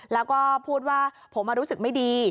แล้วก็พูดว่าผมรู้สึกไม่ดี